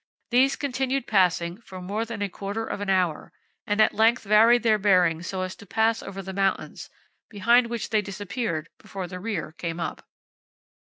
These continued passing for more than a quarter of an hour, and at length varied their bearing so as to pass over the mountains, behind which they disappeared before the rear came up.